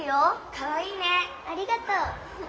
かわいいね。ありがとうフフッ。